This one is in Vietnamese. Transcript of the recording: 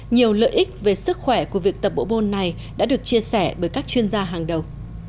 nhiều lợi ích về sức khỏe của việc tập bộ bôn này đã được chia sẻ bởi các chuyên gia hàng đầu